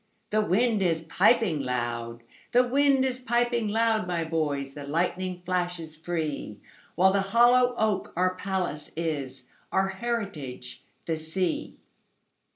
The wind is piping loud; The wind is piping loud, my boys, The lightning flashes free—While the hollow oak our palace is, Our heritage the sea.